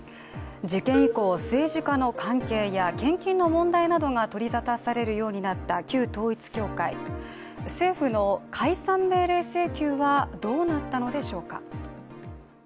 事件以降、政治家の関係や献金の問題などが取り沙汰されるようになった旧統一教会、政府の解散命令請求はどうなったのでしょうか。